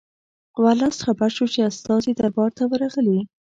ورلسټ خبر شو چې استازي دربار ته ورغلي.